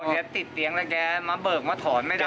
ติดเตียงแล้วแกมาเบิกมาถอนไม่ได้